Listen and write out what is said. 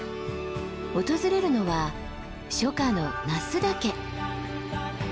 訪れるのは初夏の那須岳。